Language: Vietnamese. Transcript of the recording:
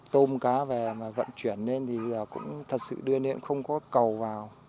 tôm cá về mà vận chuyển lên thì cũng thật sự đưa lên không có cầu vào